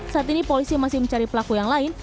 saat ini polisi masih mencari pelaku yang lain